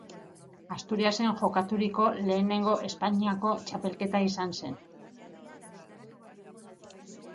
Asturiasen jokaturiko lehenengo Espainiako txapelketa izan zen.